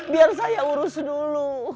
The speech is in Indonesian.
biar saya urus dulu